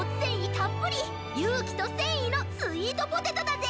たっぷりゆうきとせんいのスイートポテトだぜ！